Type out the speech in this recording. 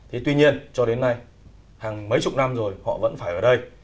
thế tuy nhiên cho đến nay hàng mấy chục năm rồi họ vẫn phải ở đây